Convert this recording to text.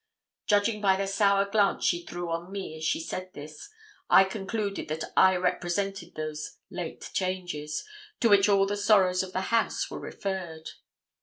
Judging by the sour glance she threw on me as she said this, I concluded that I represented those 'late changes' to which all the sorrows of the house were referred.